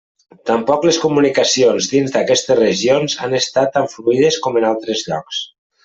Tampoc les comunicacions dins d'aquestes regions han estat tan fluides com en altres llocs.